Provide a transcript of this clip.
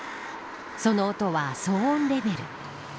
その音は騒音レベル。